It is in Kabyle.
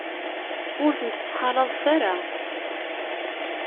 Ur tent-ttxalaḍet ara.